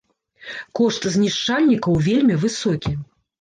Кошт знішчальнікаў вельмі высокі.